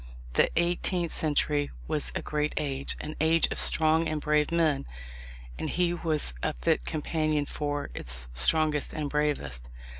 The eighteenth century was a great age, an age of strong and brave men, and he was a fit companion for its strongest and bravest.